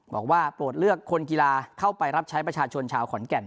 บอกว่าโปรดเลือกคนกีฬาเข้าไปรับใช้ประชาชนชาวขอนแก่น